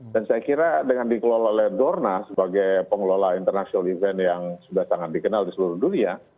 dan saya kira dengan dikelola oleh dorna sebagai pengelola internasional event yang sudah sangat dikenal di seluruh dunia